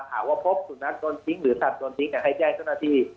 หากว่าพบสุนัขโดนทิ้งหรือสัตว์โดนทิ้งให้แจ้งเจ้าหน้าที่